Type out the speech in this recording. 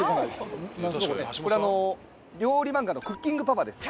これあの料理漫画の『クッキングパパ』です。